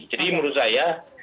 jadi menurut saya